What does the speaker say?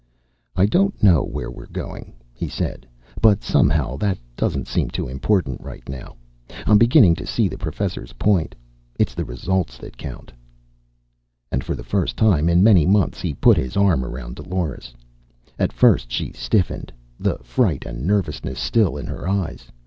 "I don't know where we are going," he said. "But somehow that doesn't seem too important right now.... I'm beginning to see the Professor's point, it's the result that counts." And for the first time in many months he put his arm around Dolores. At first she stiffened, the fright and nervousness still in her eyes.